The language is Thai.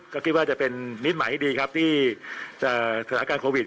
ก็คิดว่าจะเป็นนิดหมายให้ดีครับที่สถานการณ์โควิด